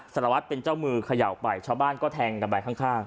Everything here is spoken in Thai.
สารวัตรเป็นเจ้ามือเขย่าไปชาวบ้านก็แทงกันไปข้าง